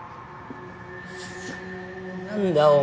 何だ？